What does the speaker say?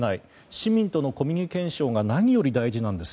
市民とのコミュニケーションが何より大事なんです。